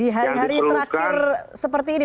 di hari hari terakhir seperti ini